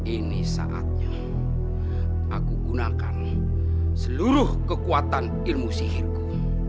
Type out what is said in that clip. ini saatnya aku gunakan seluruh kekuatan ilmu sihirku